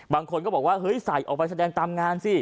บางคนก็บอกว่าเฮ้ยใส่ออกไปแสดงตามงานสิ